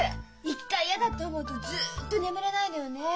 一回嫌だと思うとずっと眠れないのよねえ。